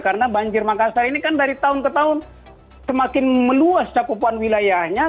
karena banjir makassar ini kan dari tahun ke tahun semakin meluas capupuan wilayahnya